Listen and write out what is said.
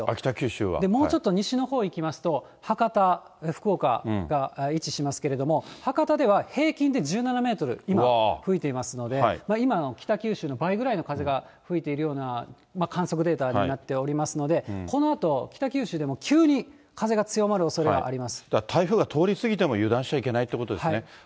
もうちょっと西のほう行きますと、博多、福岡が位置しますけれども、博多では平均で１７メートル、今、吹いていますので、今の北九州の倍ぐらいの風が吹いているような、観測データになっておりますので、このあと、北九州でも急に風が強台風が通り過ぎても、油断しちゃいけないということですね。